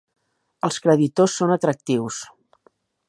Els creditors són atractius.